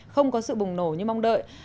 không có sự bùng nổ như mong đợi